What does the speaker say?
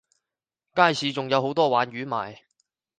街市有好多鯇魚賣